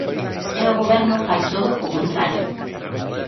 E o goberno fai todo o contrario.